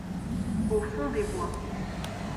Au fond des bois